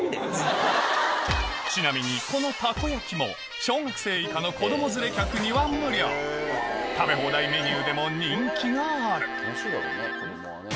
ちなみにこのたこ焼きも小学生以下の子供連れ客には無料食べ放題メニューでも人気がある楽しいだろうね子供はね。